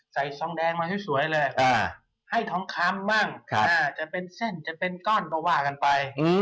ใส่สองแดงมาให้สวยเลยให้ท้องค้ำมั่งจะเป็นเส้นจะเป็นก้อนเนาะว่ากันไป